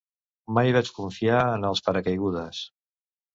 Mai vaig confiar en els paracaigudes.